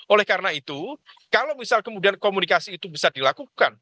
oleh karena itu kalau misal kemudian komunikasi itu bisa dilakukan